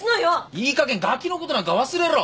いいかげんがきのことなんか忘れろ。